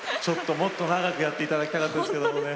もっと長くやってもらいたかったですけれどもね。